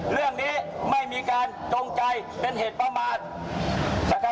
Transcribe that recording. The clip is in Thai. เรื่องนี้ไม่มีการจงใจเป็นเหตุประมาท